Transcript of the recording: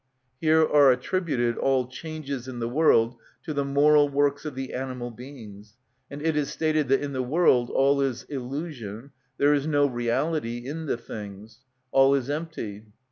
Here are attributed all changes in the world to the moral works of the animal beings, and it is stated that in the world all is illusion, there is no reality in the things; all is empty.